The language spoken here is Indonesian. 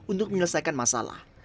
untuk menyelesaikan masalah